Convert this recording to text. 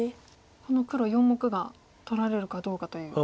この黒４目が取られるかどうかという。